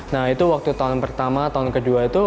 nah itu waktu tahun pertama tahun kedua itu